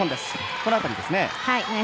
この辺りですね。